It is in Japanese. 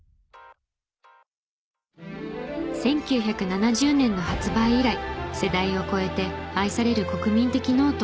１９７０年の発売以来世代を超えて愛される国民的ノート。